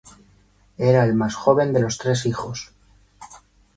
Era el más joven de tres hijos.